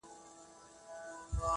هغه به چيري اوسي باران اوري، ژلۍ اوري~